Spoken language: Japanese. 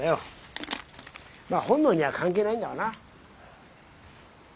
本能には関係ないんだわな。